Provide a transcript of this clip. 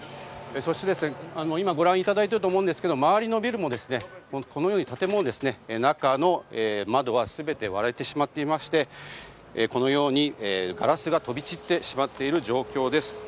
そして今ご覧いただいていると思いますが周りのビルや建物も窓は全て割れてしまっていましてガラスが飛び散ってしまっている状況です。